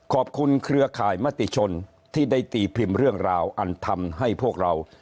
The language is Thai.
เครือข่ายมติชนที่ได้ตีพิมพ์เรื่องราวอันทำให้พวกเรา